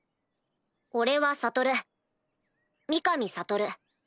俺は悟三上悟。